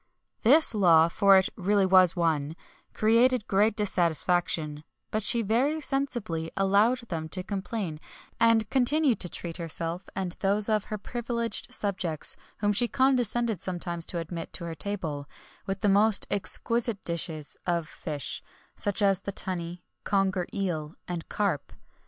This law, for it really was one, created great dissatisfaction; but she very sensibly allowed them to complain, and continued to treat herself and those of her privileged subjects whom she condescended sometimes to admit to her table, with the most exquisite dishes of fish, such as the tunny, conger eel, and carp.